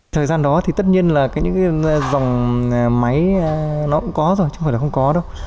thời gian đó thì tất nhiên là những cái dòng máy nó cũng có rồi chứ không phải là không có đâu